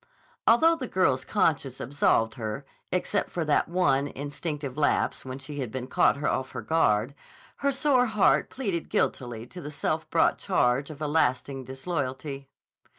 Although the girl's conscience absolved her, except for that one, instinctive lapse when she had been caught off her guard, her sore heart pleaded guilty to the self brought charge of a lasting disloyalty.